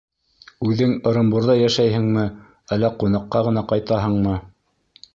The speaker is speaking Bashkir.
— Үҙең Ырымбурҙа йәшәйһеңме, әллә ҡунаҡҡа ғына ҡайтаһыңмы?